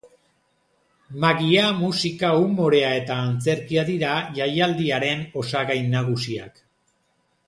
Magia, musika, umorea eta antzerkia dira jaialdiaren osagai nagusiak.